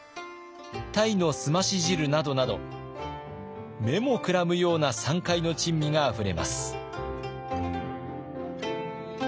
タイの澄まし汁などなど目もくらむような山海の珍味があふれます。